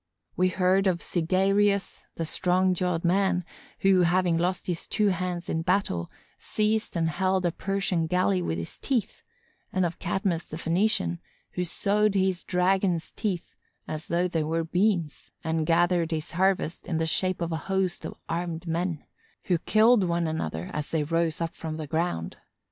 We heard of Cynœgirus, the strong jawed man, who, having lost his two hands in battle, seized and held a Persian galley with his teeth, and of Cadmus the Phœnician, who sowed a dragon's teeth as though they were beans and gathered his harvest in the shape of a host of armed men, who killed one another as they rose up from the ground.